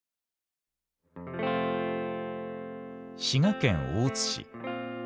滋賀県大津市。